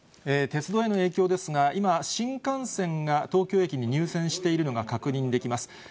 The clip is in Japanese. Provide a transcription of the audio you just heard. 鉄道への影響ですが、今、新幹線が東京駅に入線しているのが確認できます。